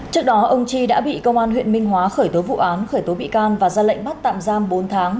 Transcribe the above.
trước đó ông chi đã bị công an huyện minh hóa khởi tố vụ án khởi tố bị can và ra lệnh bắt tạm giam bốn tháng